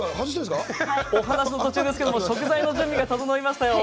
お話の途中ですが食材の準備が整いましたよ。